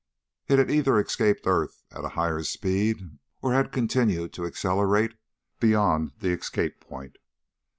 It had either escaped earth at a higher speed or had continued to accelerate beyond the escape point.